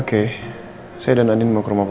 kix sama gue selalu